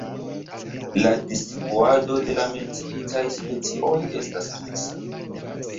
La distribuado de la menciitaj specioj estas disa.